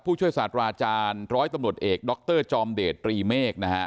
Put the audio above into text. ช่วยศาสตราอาจารย์ร้อยตำรวจเอกดรจอมเดชตรีเมฆนะฮะ